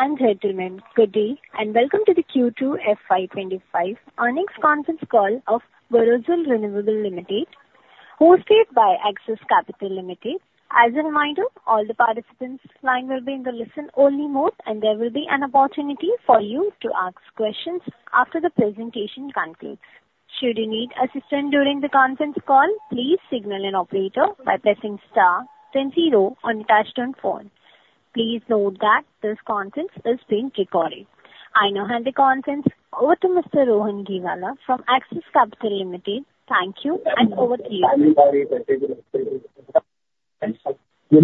Ladies and gentlemen, good day and welcome to the Q2 FY25 earnings conference call of Borosil Renewables Limited, hosted by Axis Capital Limited. As a reminder, all the participants' lines will be in the listen-only mode, and there will be an opportunity for you to ask questions after the presentation concludes. Should you need assistance during the conference call, please signal an operator by pressing star then zero on the touch-tone phone. Please note that this conference is being recorded. I now hand the conference over to Mr. Rohan Gheewala from Axis Capital Limited. Thank you and over to you. Good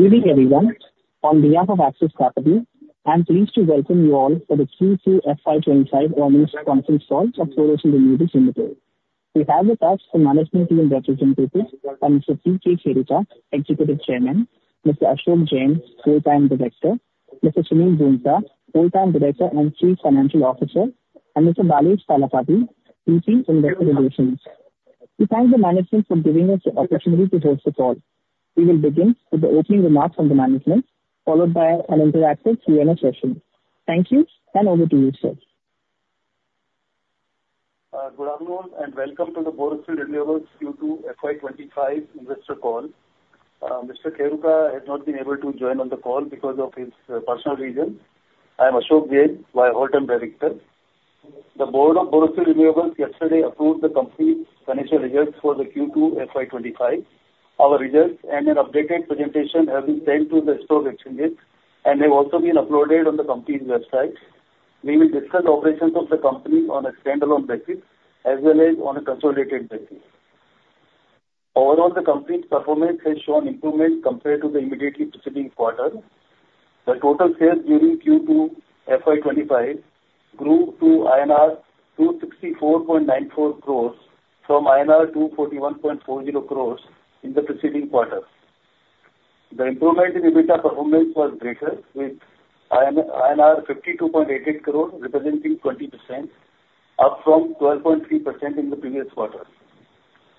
evening, everyone. On behalf of Axis Capital, I'm pleased to welcome you all for the Q2 FY25 earnings conference call of Borosil Renewables Limited. We have with us the management team representatives, Mr. P. K. Kheruka, Executive Chairman, Mr. Ashok Jain, Whole-Time Director, Mr. Sunil Roongta, Whole-Time Director and Chief Financial Officer, and Mr. Balesh Talapady, Vice President of Marketing and Sales. We thank the management for giving us the opportunity to host the call. We will begin with the opening remarks from the management, followed by an interactive Q&A session. Thank you and over to you, sir. Good afternoon and welcome to the Borosil Renewables Q2 FY25 investor call. Mr. Kheruka has not been able to join on the call because of his personal reasons. I'm Ashok Jain, Whole-Time Director. The Board of Borosil Renewables yesterday approved the complete financial results for the Q2 FY25. Our results and an updated presentation have been sent to the stock exchanges and have also been uploaded on the company's website. We will discuss operations of the company on a standalone basis as well as on a consolidated basis. Overall, the company's performance has shown improvement compared to the immediately preceding quarter. The total sales during Q2 FY25 grew to INR 264.94 crores from INR 241.40 crores in the preceding quarter. The improvement in EBITDA performance was greater, with INR 52.88 crores representing 20%, up from 12.3% in the previous quarter.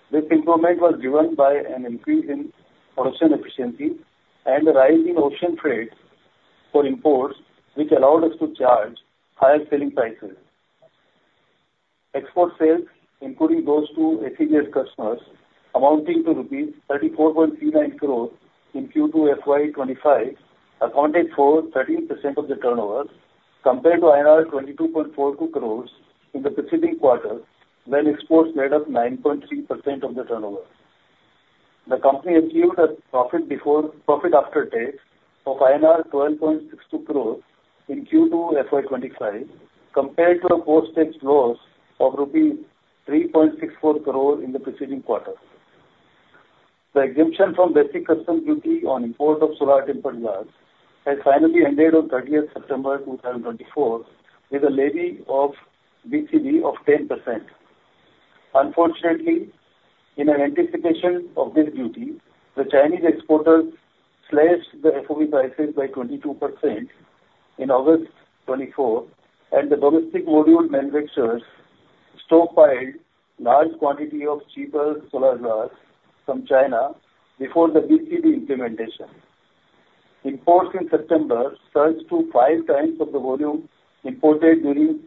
This improvement was driven by an increase in production efficiency and a rise in ocean freight for imports, which allowed us to charge higher selling prices. Export sales, including those to affiliate customers, amounting to rupees 34.39 crores in Q2 FY25, accounted for 13% of the turnover, compared to INR 22.42 crores in the preceding quarter when exports made up 9.3% of the turnover. The company achieved a profit after tax of INR 12.62 crores in Q2 FY25, compared to a post-tax loss of rupees 3.64 crores in the preceding quarter. The exemption from basic customs duty on import of solar tempered glass has finally ended on 30 September 2024, with a levy of BCD of 10%. Unfortunately, in anticipation of this duty, the Chinese exporters slashed the FOB prices by 22% in August 2024, and the domestic module manufacturers stockpiled large quantities of cheaper solar glass from China before the BCD implementation. Imports in September surged to five times the volume imported during the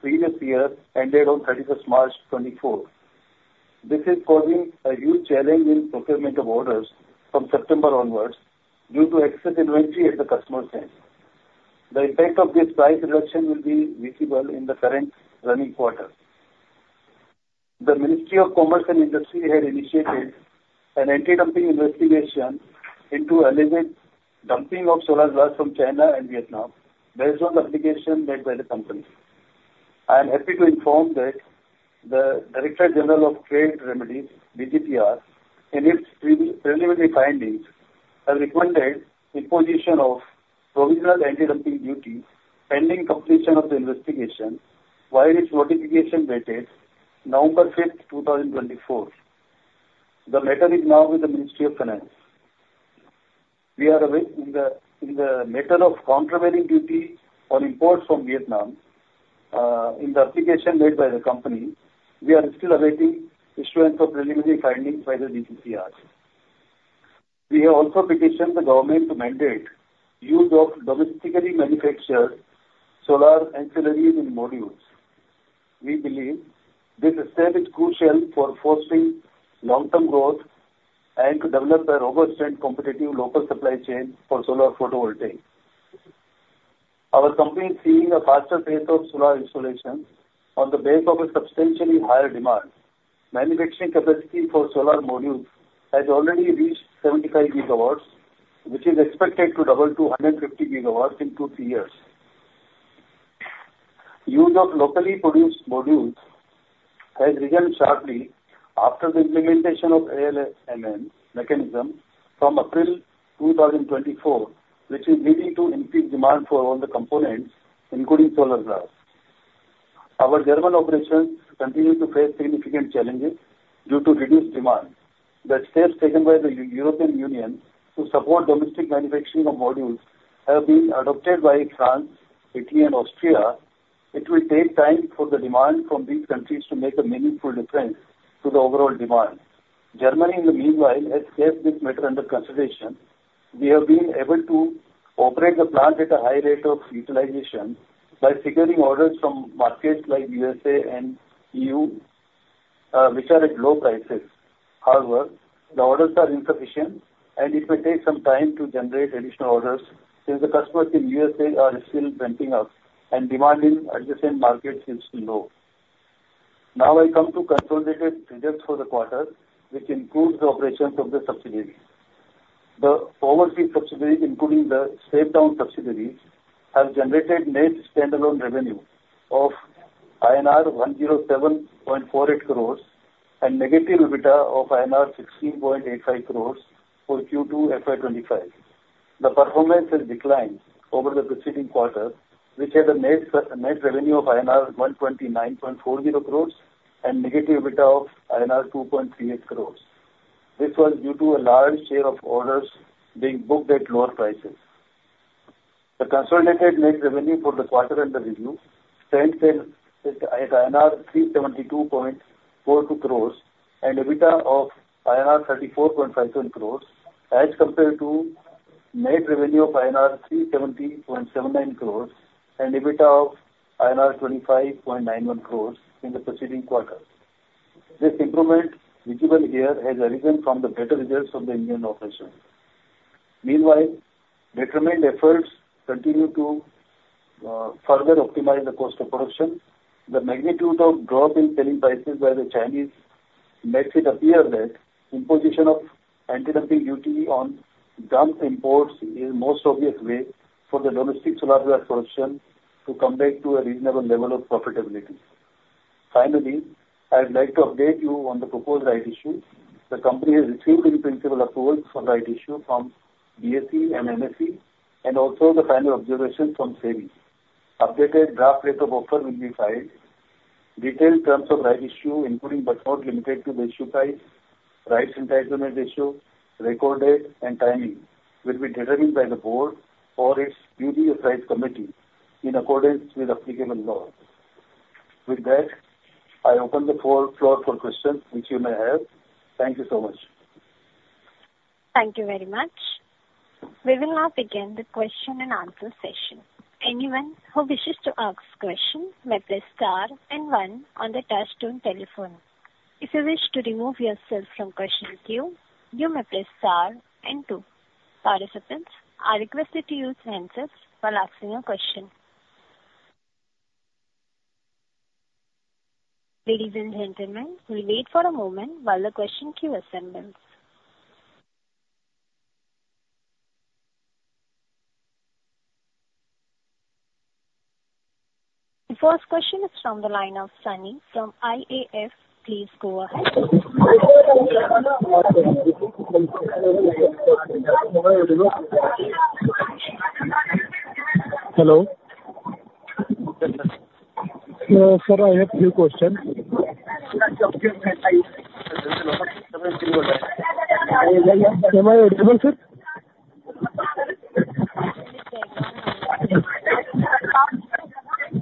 previous year, ended on 31 March 2024. This is causing a huge challenge in procurement of orders from September onwards due to excess inventory at the customer's end. The impact of this price reduction will be visible in the current running quarter. The Ministry of Commerce and Industry had initiated an anti-dumping investigation into alleged dumping of solar glass from China and Vietnam, based on the application made by the company. I am happy to inform that the Directorate General of Trade Remedies, DGTR, in its preliminary findings, has recommended imposition of provisional anti-dumping duty pending completion of the investigation, vide its notification dated November 5, 2024. The matter is now with the Ministry of Finance. We are awaiting the matter of countervailing duty on imports from Vietnam in the application made by the company. We are still awaiting issuance of preliminary findings by the DGTR. We have also petitioned the government to mandate use of domestically manufactured solar ancillaries in modules. We believe this step is crucial for fostering long-term growth and to develop a robust and competitive local supply chain for solar photovoltaics. Our company is seeing a faster pace of solar installation on the basis of a substantially higher demand. Manufacturing capacity for solar modules has already reached 75 gigawatts, which is expected to double to 150 gigawatts in two to three years. Use of locally produced modules has risen sharply after the implementation of ALMM mechanism from April 2024, which is leading to increased demand for all the components, including solar glass. Our German operations continue to face significant challenges due to reduced demand. The steps taken by the European Union to support domestic manufacturing of modules have been adopted by France, Italy, and Austria. It will take time for the demand from these countries to make a meaningful difference to the overall demand. Germany, in the meanwhile, has taken this matter under consideration. We have been able to operate the plant at a high rate of utilization by securing orders from markets like the USA and EU, which are at low prices. However, the orders are insufficient, and it will take some time to generate additional orders since the customers in the USA are still renting out, and demand in adjacent markets is low. Now I come to consolidated results for the quarter, which includes the operations of the subsidiaries. The overseas subsidiaries, including the step-down subsidiaries, have generated net standalone revenue of INR 107.48 crores and negative EBITDA of INR 16.85 crores for Q2 FY25. The performance has declined over the preceding quarter, which had a net revenue of INR 129.40 crores and negative EBITDA of INR 2.38 crores. This was due to a large share of orders being booked at lower prices. The consolidated net revenue for the quarter and the review stands at INR 372.42 crores and EBITDA of INR 34.51 crores, as compared to net revenue of INR 370.79 crores and EBITDA of INR 25.91 crores in the preceding quarter. This improvement visible here has arisen from the better results of the Indian operations. Meanwhile, determined efforts continue to further optimize the cost of production. The magnitude of drop in selling prices by the Chinese makes it appear that imposition of anti-dumping duty on dumped imports is the most obvious way for the domestic solar glass production to come back to a reasonable level of profitability. Finally, I would like to update you on the proposed rights issue. The company has received in principle approval for rights issue from BSE and NSE, and also the final observation from SEBI. Updated draft letter of offer will be filed. Detailed terms of rights issue, including but not limited to the issue price, rights entitlement ratio, record date, and timing will be determined by the Board or its duly authorized committee in accordance with applicable law. With that, I open the floor for questions, which you may have. Thank you so much. Thank you very much. We will now begin the question and answer session. Anyone who wishes to ask a question may press star and one on the touch-tone telephone. If you wish to remove yourself from question queue, you may press star and two. Participants, I request that you use handsets while asking your question. Ladies and gentlemen, we'll wait for a moment while the question queue assembles. The first question is from the line of Sunny from IAF. Please go ahead. Hello. Sir, I have a few questions. Am I audible?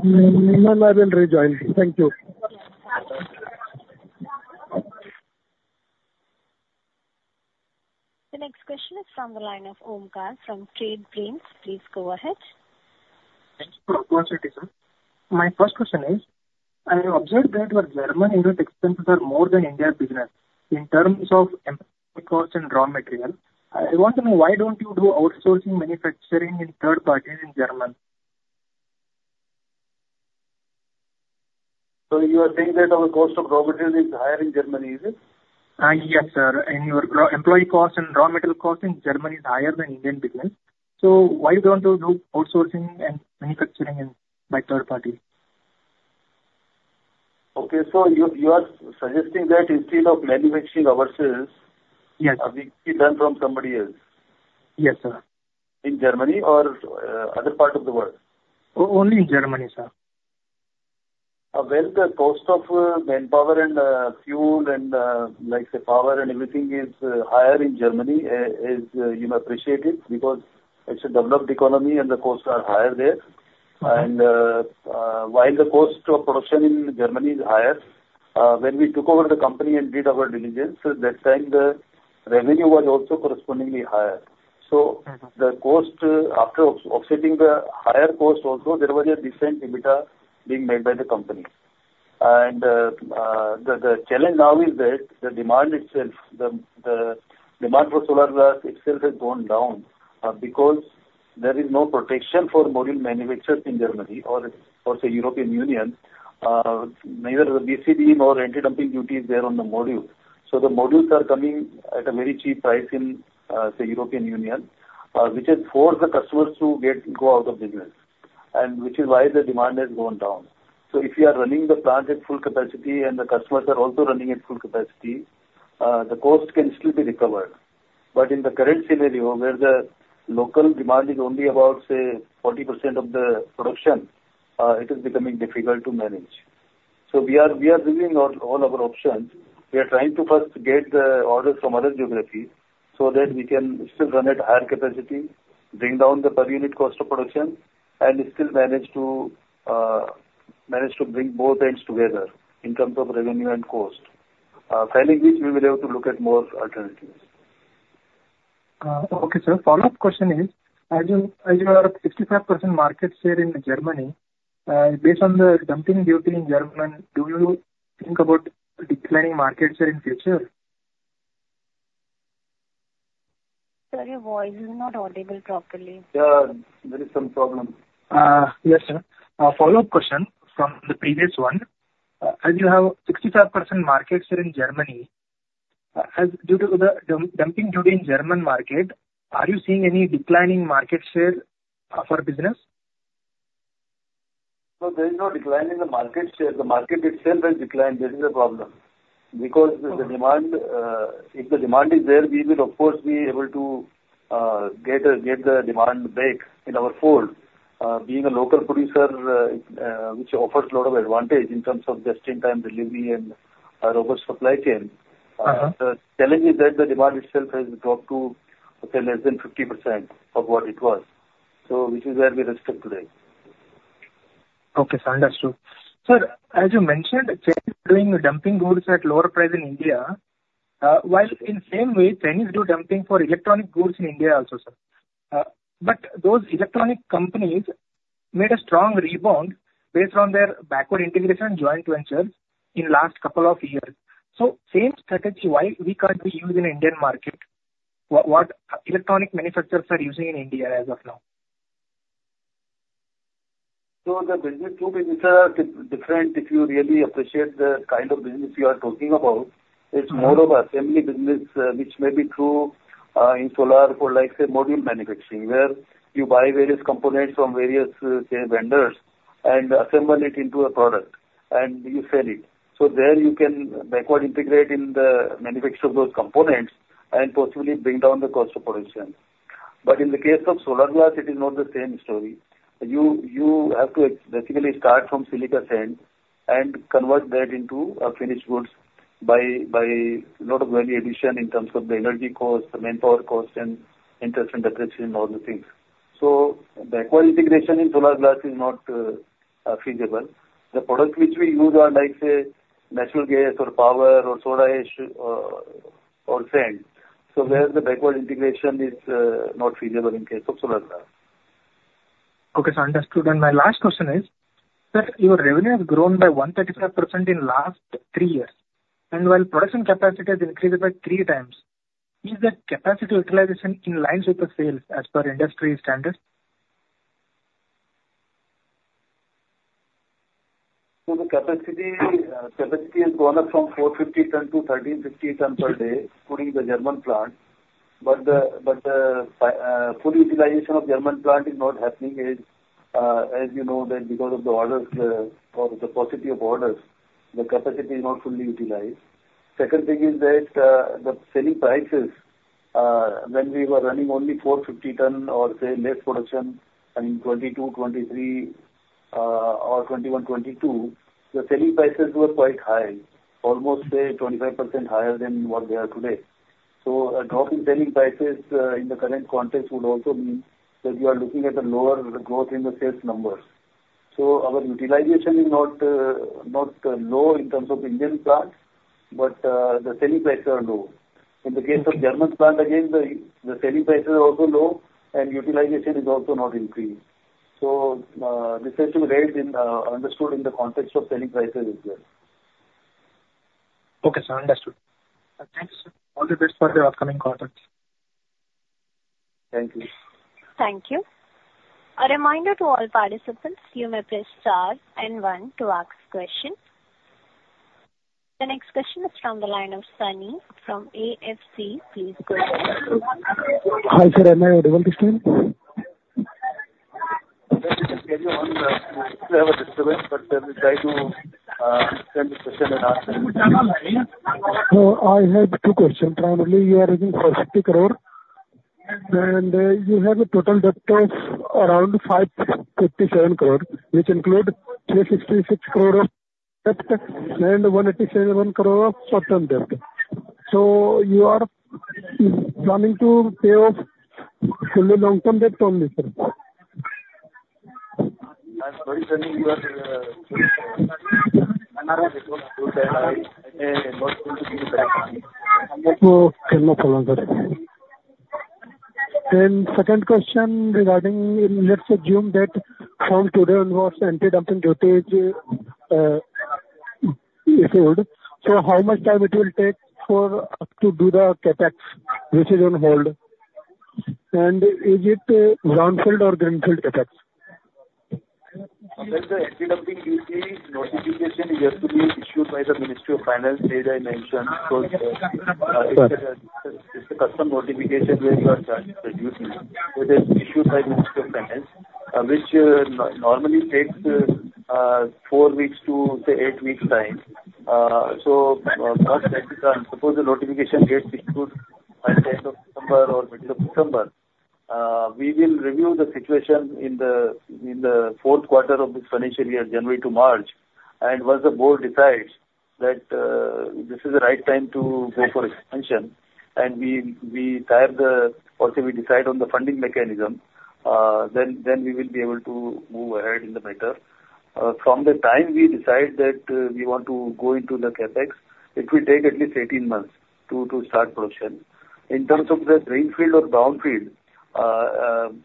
No, no, I will rejoin. Thank you. The next question is from the line of Omkar from Trade Brains. Please go ahead. Thank you for the opportunity, sir. My first question is, I have observed that Germany's expenses are more than India's business in terms of employee costs and raw material. I want to know why don't you do outsourcing manufacturing in third parties in Germany? So you are saying that our cost of raw material is higher in Germany, is it? Yes, sir. And your employee costs and raw material costs in Germany are higher than Indian business. So why don't you do outsourcing and manufacturing by third parties? Okay, so you are suggesting that instead of manufacturing ourselves, we can be done from somebody else? Yes, sir. In Germany or other parts of the world? Only in Germany, sir. The cost of manpower and fuel and, like, power and everything is higher in Germany as you may appreciate it because it's a developed economy and the costs are higher there. While the cost of production in Germany is higher, when we took over the company and did our due diligence, at that time, the revenue was also correspondingly higher. The cost, after offsetting the higher cost, also there was a decent EBITDA being made by the company. The challenge now is that the demand itself, the demand for solar glass itself, has gone down because there is no protection for module manufacturers in Germany or the European Union. Neither the BCD nor anti-dumping duty is there on the module. So the modules are coming at a very cheap price in the European Union, which has forced the customers to go out of business, which is why the demand has gone down. So if you are running the plant at full capacity and the customers are also running at full capacity, the cost can still be recovered. But in the current scenario, where the local demand is only about, say, 40% of the production, it is becoming difficult to manage. So we are reviewing all our options. We are trying to first get the orders from other geographies so that we can still run at higher capacity, bring down the per-unit cost of production, and still manage to bring both ends together in terms of revenue and cost. Failing which, we will have to look at more alternatives. Okay, sir. Follow-up question is, as you are at 65% market share in Germany, based on the dumping duty in Germany, do you think about declining market share in the future? Sorry, your voice is not audible properly. There is some problem. Yes, sir. Follow-up question from the previous one. As you have 65% market share in Germany, due to the dumping duty in the German market, are you seeing any declining market share for business? No, there is no decline in the market share. The market itself has declined. There is a problem because if the demand is there, we will, of course, be able to get the demand back in our fold, being a local producer which offers a lot of advantage in terms of just-in-time delivery and our supply chain. The challenge is that the demand itself has dropped to, say, less than 50% of what it was, which is where we stand today. Okay, sir. Understood. Sir, as you mentioned, Chinese are doing dumping goods at lower price in India, while in the same way, Chinese do dumping for electronic goods in India also, sir. But those electronic companies made a strong rebound based on their backward integration and joint ventures in the last couple of years. So same strategy, why can't we use in the Indian market what electronic manufacturers are using in India as of now? So the business too is different if you really appreciate the kind of business you are talking about. It's more of an assembly business, which may be true in solar for, like, say, module manufacturing, where you buy various components from various, say, vendors and assemble it into a product, and you sell it. So there you can backward integrate in the manufacture of those components and possibly bring down the cost of production. But in the case of solar glass, it is not the same story. You have to basically start from silica sand and convert that into finished goods by a lot of value addition in terms of the energy cost, the manpower cost, and interest and depreciation and all the things. So backward integration in solar glass is not feasible. The products which we use are, like, say, natural gas or power or soda ash or sand. So where the backward integration is not feasible in the case of solar glass. Okay, sir. Understood. And my last question is, sir, your revenue has grown by 135% in the last three years. And while production capacity has increased by three times, is that capacity utilization in line with the sales as per industry standards? The capacity has gone up from 450 tons to 1,350 tons per day, including the German plant. But the full utilization of the German plant is not happening as you know that because of the orders or the capacity of orders, the capacity is not fully utilized. Second thing is that the selling prices, when we were running only 450 tons or, say, less production in 2022, 2023, or 2021, 2022, the selling prices were quite high, almost, say, 25% higher than what they are today. So a drop in selling prices in the current context would also mean that you are looking at a lower growth in the sales numbers. So our utilization is not low in terms of Indian plants, but the selling prices are low. In the case of German plants, again, the selling prices are also low, and utilization is also not increased. So this has to be understood in the context of selling prices as well. Okay, sir. Understood. Thank you, sir. All the best for the upcoming quarters. Thank you. Thank you. A reminder to all participants, you may press star and one to ask questions. The next question is from the line of Sunny from IAF. Please go ahead. Hi, sir. Am I audible this time? I can hear you from a distance, but we'll try to send the question and answer. I have two questions. Primarily, you are using 450 crores, and you have a total debt of around 557 crores, which includes 366 crores of debt and 187 crores of short-term debt. So you are planning to pay off fully long-term debt only, sir? That's very interesting. Okay, no problem, sir. And second question regarding, let's assume that from today onwards, anti-dumping duty is held. So how much time it will take for us to do the CAPEX, which is on hold? And is it brownfield or greenfield CAPEX? The anti-dumping duty notification has to be issued by the Ministry of Finance, as I mentioned, because it's a customs notification where you are charged the duty. It is issued by the Ministry of Finance, which normally takes four weeks to, say, eight weeks' time. Once that is done, suppose the notification gets issued by the end of December or middle of December, we will review the situation in the fourth quarter of this financial year, January to March. Once the Board decides that this is the right time to go for expansion and we decide on the funding mechanism, then we will be able to move ahead in the matter. From the time we decide that we want to go into the CAPEX, it will take at least 18 months to start production. In terms of the greenfield or brownfield,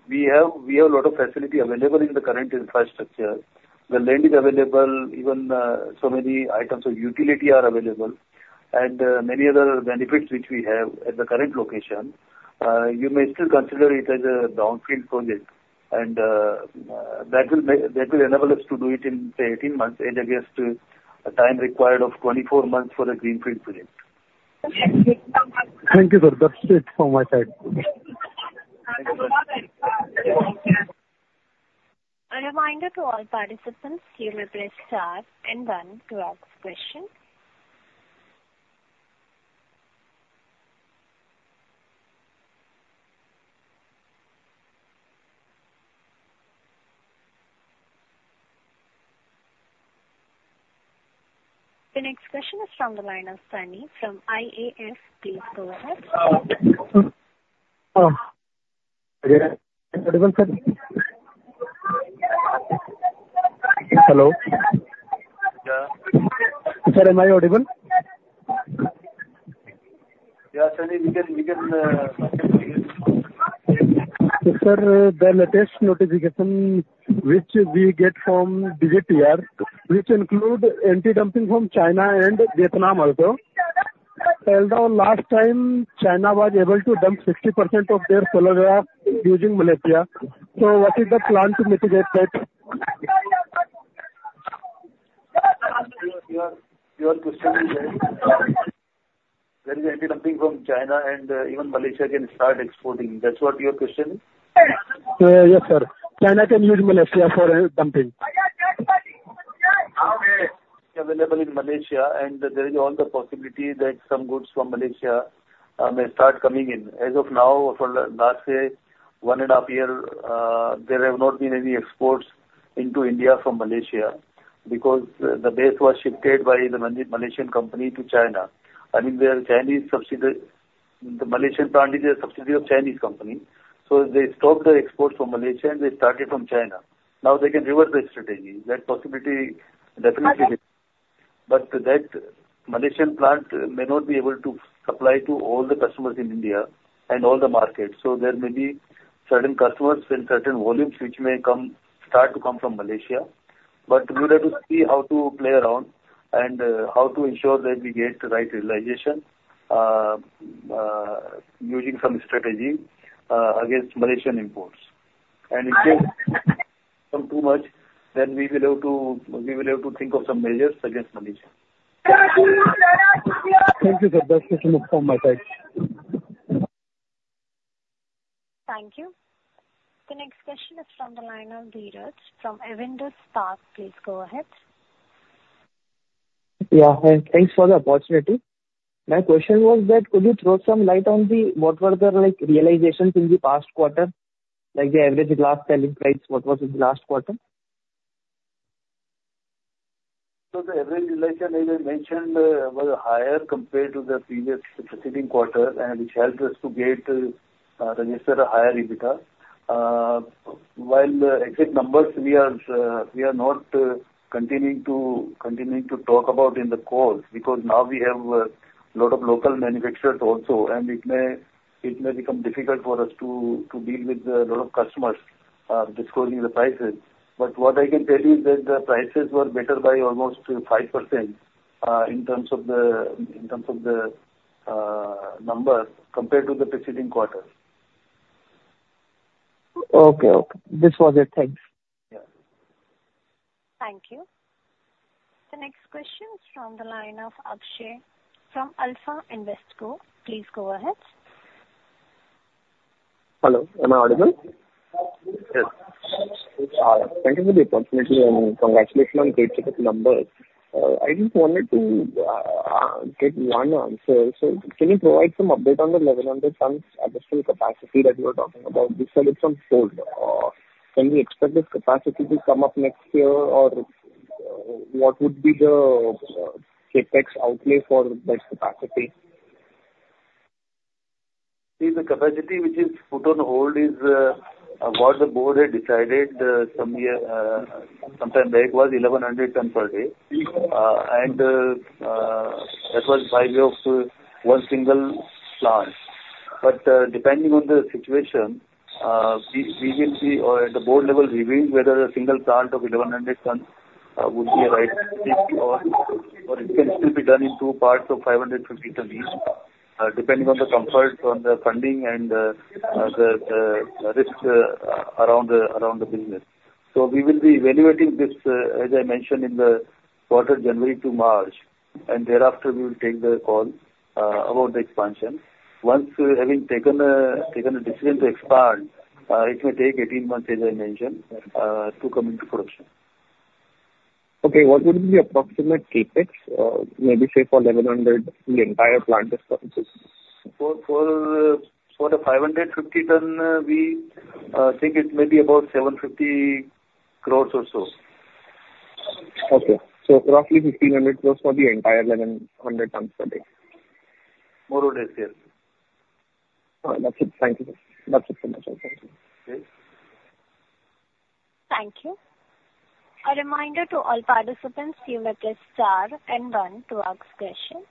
we have a lot of facilities available in the current infrastructure. The land is available, even so many items of utility are available, and many other benefits which we have at the current location. You may still consider it as a brownfield project, and that will enable us to do it in, say, 18 months as against a time required of 24 months for a greenfield project. Thank you, sir. That's it from my side. A reminder to all participants, you may press star and one to ask questions. The next question is from the line of Sunny from IAF. Please go ahead. Hello. Yeah. Sir, am I audible? Yeah, Sunny, we can hear you. Sir, the latest notification which we get from DGTR, which includes anti-dumping from China and Vietnam also, tells us last time China was able to dump 60% of their solar glass using Malaysia. So what is the plan to mitigate that? Your question is, there is anti-dumping from China, and even Malaysia can start exporting. That's what your question is? Yes, sir. China can use Malaysia for dumping. Okay. Available in Malaysia, and there is all the possibility that some goods from Malaysia may start coming in. As of now, for the last, say, one and a half years, there have not been any exports into India from Malaysia because the base was shifted by the Malaysian company to China. I mean, the Malaysian plant is a subsidiary of the Chinese company. So they stopped the exports from Malaysia, and they started from China. Now they can reverse the strategy. That possibility definitely exists. But that Malaysian plant may not be able to supply to all the customers in India and all the markets. So there may be certain customers and certain volumes which may start to come from Malaysia. But we will have to see how to play around and how to ensure that we get the right utilization using some strategy against Malaysian imports. If they come too much, then we will have to think of some measures against Malaysia. Thank you, sir. That's it from my side. Thank you. The next question is from the line of Viraj from Avendus Capital. Please go ahead. Yeah. Thanks for the opportunity. My question was that could you throw some light on what were the realizations in the past quarter, like the average glass selling price, what was in the last quarter? So the average realization, as I mentioned, was higher compared to the previous preceding quarter, which helped us to register a higher EBITDA. While export numbers, we are not continuing to talk about in the calls because now we have a lot of local manufacturers also, and it may become difficult for us to deal with a lot of customers disclosing the prices. But what I can tell you is that the prices were better by almost 5% in terms of the number compared to the preceding quarter. Okay. Okay. This was it. Thanks. Yeah. Thank you. The next question is from the line of Akshay from Alpha Invesco. Please go ahead. Hello. Am I audible? Yes. All right. Thank you for the opportunity and congratulations on great numbers. I just wanted to get one answer. So can you provide some update on the 1,100 tons additional capacity that you were talking about? You said it's on hold. Can we expect this capacity to come up next year, or what would be the CapEx outlay for that capacity? See, the capacity which is put on hold is what the Board had decided some time back was 1,100 tons per day, and that was by way of one single plant. But depending on the situation, we will see at the Board level reviewing whether a single plant of 1,100 tons would be a right fit, or it can still be done in two parts of 550 tons, depending on the comfort, on the funding, and the risk around the business. So we will be evaluating this, as I mentioned, in the quarter of January to March, and thereafter, we will take the call about the expansion. Once we have taken a decision to expand, it may take 18 months, as I mentioned, to come into production. Okay. What would be the approximate CAPEX, maybe say for 1,100 the entire plant expenses? For the 550 tons, we think it may be about 750 crores or so. Okay. So roughly 1,500 crores for the entire 1,100 tons per day. More or less, yes. All right. That's it. Thank you. That's it from my side. Thank you. Thank you. A reminder to all participants, you may press star and one to ask questions.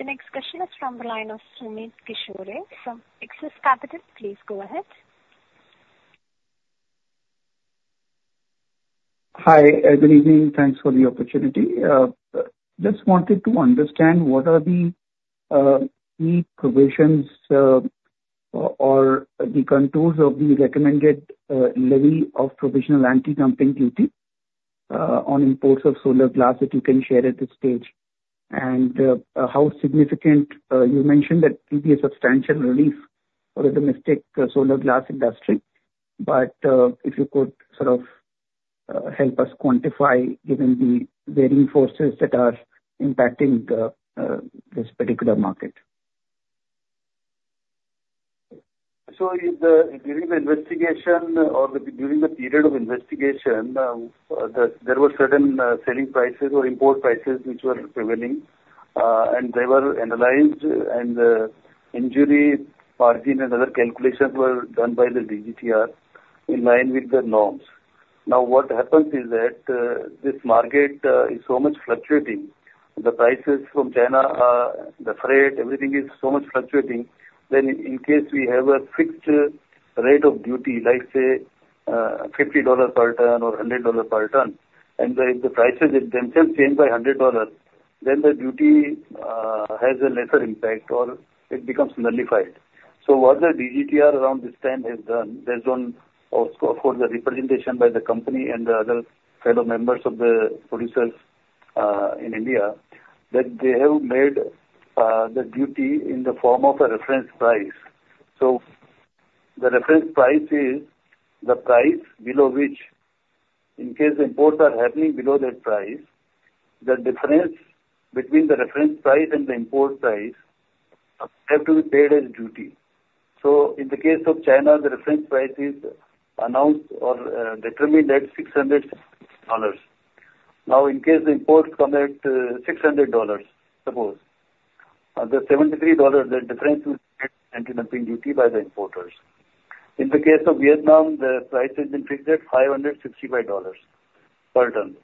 The next question is from the line of Sumit Kishore from Axis Capital. Please go ahead. Hi. Good evening. Thanks for the opportunity. Just wanted to understand what are the key provisions or the contours of the recommended levy of provisional anti-dumping duty on imports of solar glass that you can share at this stage and how significant you mentioned that it will be a substantial relief for the domestic solar glass industry? But if you could sort of help us quantify, given the varying forces that are impacting this particular market? So during the investigation or during the period of investigation, there were certain selling prices or import prices which were prevailing, and they were analyzed, and the injury margin and other calculations were done by the DGTR in line with the norms. Now, what happens is that this market is so much fluctuating. The prices from China, the freight, everything is so much fluctuating. Then in case we have a fixed rate of duty, like say $50 per ton or $100 per ton, and the prices themselves change by $100, then the duty has a lesser impact or it becomes nullified. So what the DGTR around this time has done based on, of course, the representation by the company and the other fellow members of the producers in India, that they have made the duty in the form of a reference price. So the reference price is the price below which, in case the imports are happening below that price, the difference between the reference price and the import price has to be paid as duty. So in the case of China, the reference price is announced or determined at $600. Now, in case the imports come at $600, suppose, the $73, the difference will be paid as anti-dumping duty by the importers. In the case of Vietnam, the price has been fixed at $565 per ton.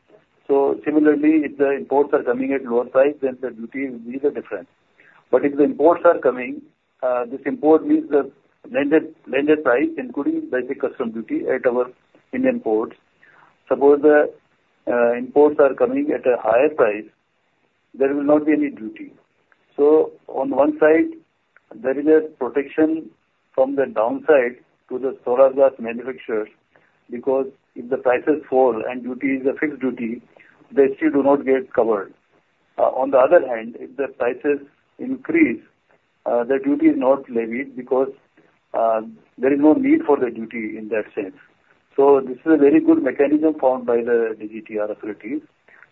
So similarly, if the imports are coming at lower price, then the duty will be the difference. But if the imports are coming, this import means the landed price, including basic customs duty at our Indian ports. Suppose the imports are coming at a higher price, there will not be any duty. So on one side, there is a protection from the downside to the solar glass manufacturers because if the prices fall and duty is a fixed duty, they still do not get covered. On the other hand, if the prices increase, the duty is not levied because there is no need for the duty in that sense. So this is a very good mechanism found by the DGTR authorities.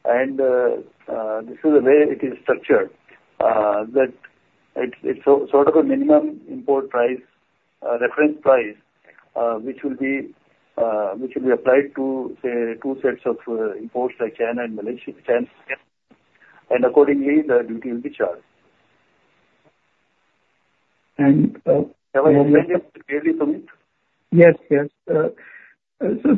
And this is the way it is structured, that it's sort of a minimum import price, reference price, which will be applied to, say, two sets of imports like China and Malaysia. And accordingly, the duty will be charged. And. Have I explained it clearly, Sumit? Yes. Yes. So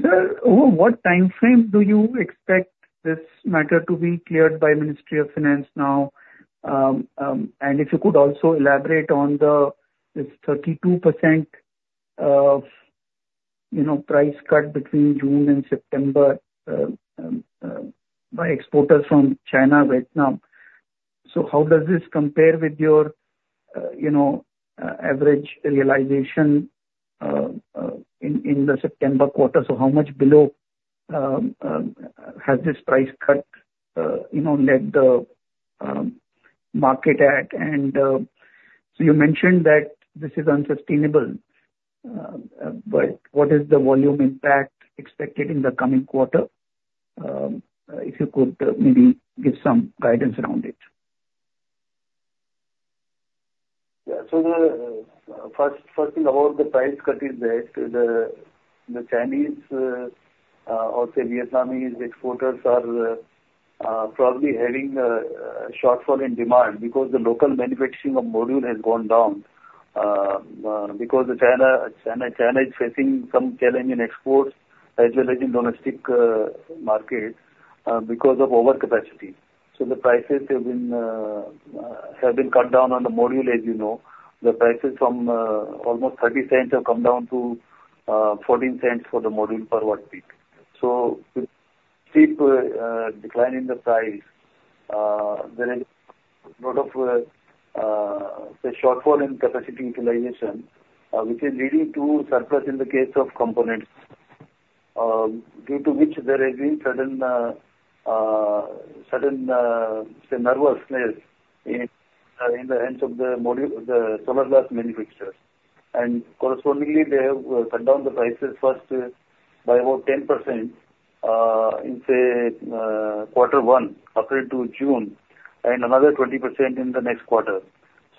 sir, over what time frame do you expect this matter to be cleared by the Ministry of Finance now? And if you could also elaborate on this 32% price cut between June and September by exporters from China, Vietnam? So how does this compare with your average realization in the September quarter? So how much below has this price cut led the market at? And so you mentioned that this is unsustainable, but what is the volume impact expected in the coming quarter? If you could maybe give some guidance around it. Yeah. So the first thing about the price cut is that the Chinese or the Vietnamese exporters are probably having a shortfall in demand because the local manufacturing of module has gone down because China is facing some challenge in exports as well as in domestic market because of overcapacity. So the prices have been cut down on the module, as you know. The prices from almost $0.30 have come down to $0.14 for the module per watt peak. So with steep decline in the price, there is a lot of, say, shortfall in capacity utilization, which is leading to surplus in the case of components, due to which there has been certain, say, nervousness in the hands of the solar glass manufacturers. Correspondingly, they have cut down the prices first by about 10% in, say, quarter one up to June and another 20% in the next quarter.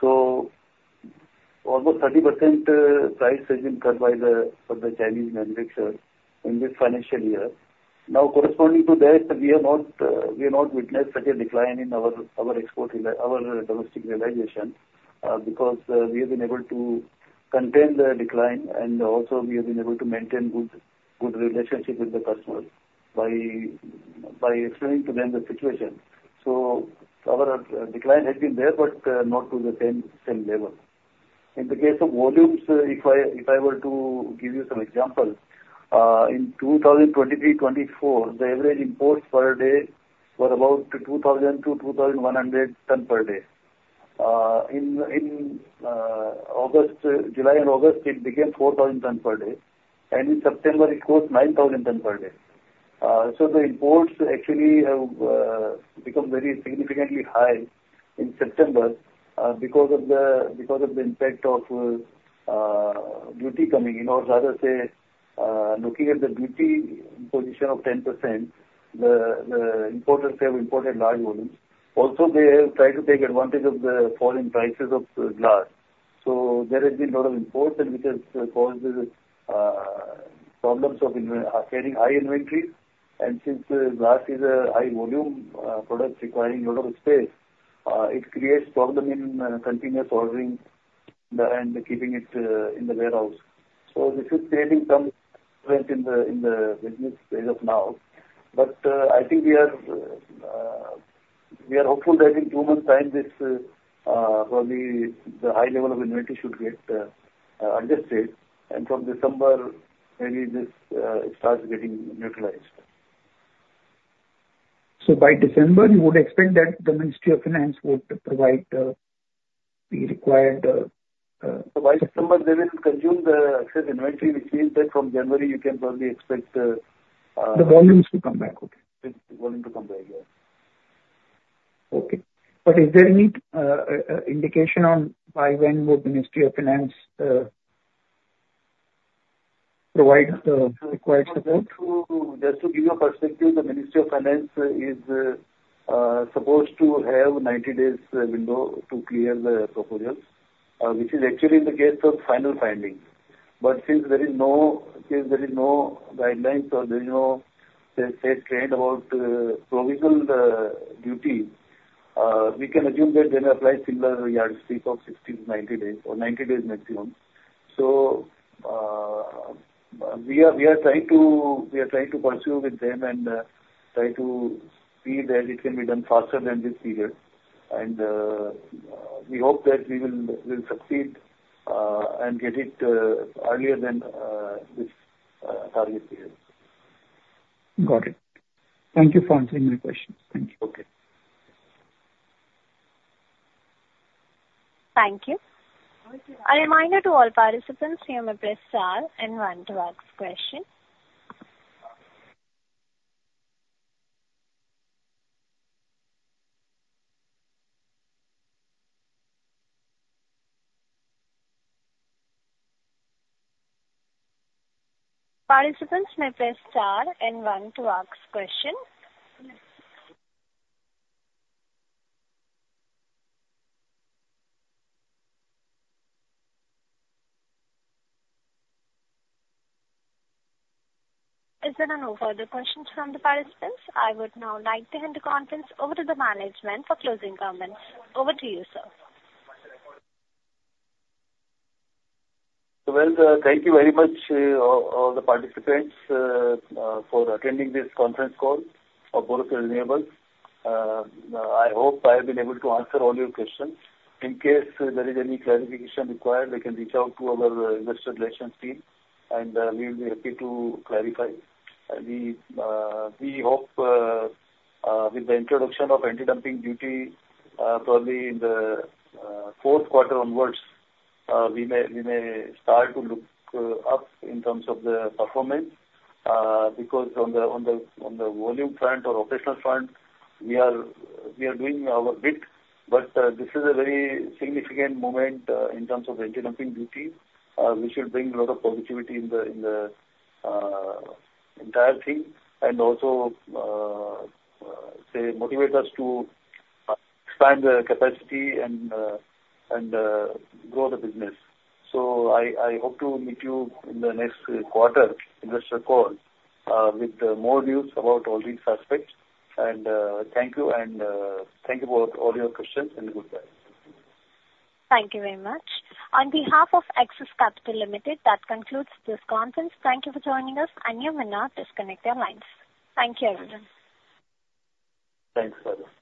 Almost 30% price has been cut by the Chinese manufacturers in this financial year. Now, corresponding to that, we have not witnessed such a decline in our domestic realization because we have been able to contain the decline, and also we have been able to maintain good relationship with the customers by explaining to them the situation. Our decline has been there, but not to the same level. In the case of volumes, if I were to give you some example, in 2023-2024, the average imports per day were about 2,000-2,100 tons per day. In July and August, it became 4,000 tons per day. In September, it was 9,000 tons per day. The imports actually have become very significantly high in September because of the impact of duty coming in. Or rather, say, looking at the duty position of 10%, the importers have imported large volumes. Also, they have tried to take advantage of the falling prices of glass. There has been a lot of imports, which has caused problems of carrying high inventory. And since glass is a high-volume product requiring a lot of space, it creates problems in continuous ordering and keeping it in the warehouse. This is creating some strength in the business as of now. But I think we are hopeful that in two months' time, probably the high level of inventory should get adjusted. And from December, maybe this starts getting neutralized. By December, you would expect that the Ministry of Finance would provide the required. So by December, they will consume the excess inventory, which means that from January, you can probably expect. The volumes to come back. The volumes to come back, yes. Okay. But is there any indication on by when will the Ministry of Finance provide the required support? Just to give you a perspective, the Ministry of Finance is supposed to have a 90-day window to clear the proposals, which is actually in the case of final findings. But since there is no guidelines or there is no, say, stringency about provisional duty, we can assume that they may apply similar yardstick of 60-90 days or 90 days maximum. So we are trying to pursue with them and try to see that it can be done faster than this period. And we hope that we will succeed and get it earlier than this target period. Got it. Thank you for answering my questions. Thank you. Okay. Thank you. A reminder to all participants, you may press star and one to ask question. Participants, may press star and one to ask question. Is there no further questions from the participants? I would now like to hand the conference over to the management for closing comments. Over to you, sir. Thank you very much to all the participants for attending this conference call of Borosil Renewables. I hope I have been able to answer all your questions. In case there is any clarification required, they can reach out to our investor relations team, and we will be happy to clarify. We hope with the introduction of anti-dumping duty, probably in the fourth quarter onwards, we may start to look up in terms of the performance because on the volume front or operational front, we are doing our bit. This is a very significant moment in terms of anti-dumping duty. We should bring a lot of positivity in the entire thing and also, say, motivate us to expand the capacity and grow the business. I hope to meet you in the next quarter investor call with more news about all these aspects. Thank you, and thank you for all your questions, and goodbye. Thank you very much. On behalf of Axis Capital Limited, that concludes this conference. Thank you for joining us, and you may now disconnect your lines. Thank you, everyone. Thanks, sir.